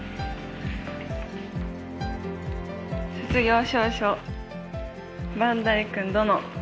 「卒業証書バンダリ君殿」。